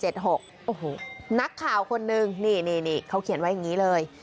โอ้โหนักข่าวคนนึงนี่เขาเขียนไว้อย่างนี้เลย